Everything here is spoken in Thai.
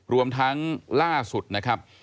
รวมทั้งล่าสุดนะครับ